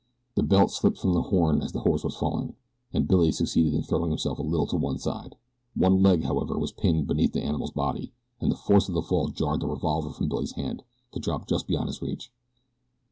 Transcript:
The belt slipped from the horn as the horse was falling, and Billy succeeded in throwing himself a little to one side. One leg, however, was pinned beneath the animal's body and the force of the fall jarred the revolver from Billy's hand to drop just beyond his reach.